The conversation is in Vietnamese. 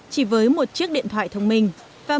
chỉ với một chiếc điện thoại thông báo